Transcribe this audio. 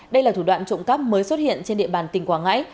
đây là thủ đoạn trộm cắp mới xuất hiện trên địa bàn tỉnh quảng ngãi